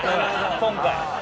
今回。